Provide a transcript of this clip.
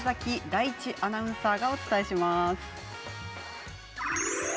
大地アナウンサーがお伝えします。